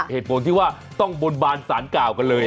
เหตุผลที่ว่าต้องบนบานสารกล่าวกันเลย